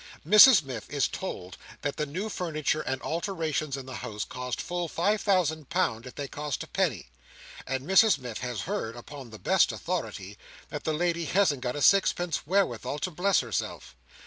Mrs Miff is told, that the new furniture and alterations in the house cost full five thousand pound if they cost a penny; and Mrs Miff has heard, upon the best authority, that the lady hasn't got a sixpence wherewithal to bless herself.